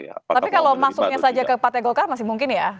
tapi kalau masuknya saja ke partai golkar masih mungkin ya